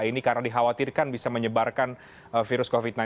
ini karena dikhawatirkan bisa menyebarkan virus covid sembilan belas